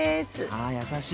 あ優しい。